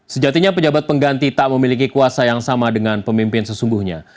sejatinya pejabat pengganti tak memiliki kuasa yang sama dengan pemimpin sesungguhnya